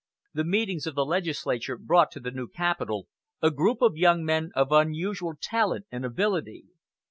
The meetings of the legislature brought to the new capital a group of young men of unusual talent and ability.